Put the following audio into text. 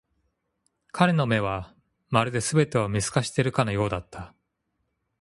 彼の目は、まるで全てを見透かしているかのようだった。